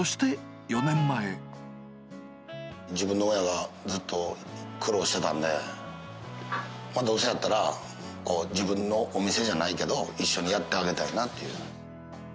自分の親がずっと苦労してたんで、どうせだったら、自分のお店じゃないけど、一緒にやってあげたいなっていう。